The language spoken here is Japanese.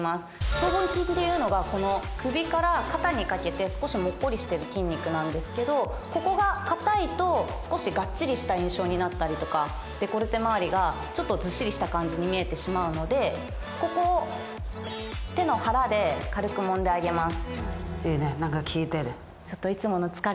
僧帽筋っていうのが首から肩にかけて少しもっこりしてる筋肉なんですけどここが硬いと少しがっちりした印象になったりとかデコルテまわりがずっしりした感じに見えてしまうのでここを手の腹で軽くもんであげます。